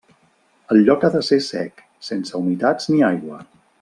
El lloc ha de ser sec, sense humitats ni aigua.